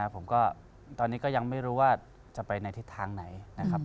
ผมก็ตอนนี้ก็ยังไม่รู้ว่าจะไปในทิศทางไหนนะครับ